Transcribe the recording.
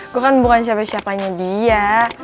gue kan bukan siapa siapanya dia